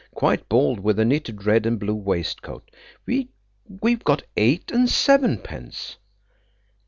Quite bald, with a knitted red and blue waistcoat. We've got eight and sevenpence."